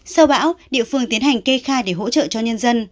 sau bão địa phương tiến hành kê khai để hỗ trợ cho nhân dân